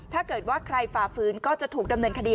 ถ้าเกิดว่าใครฝ่าฝืนก็จะถูกดำเนินคดี